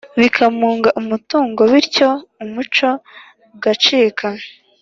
bikamunga umutungo bityo umuco ugacika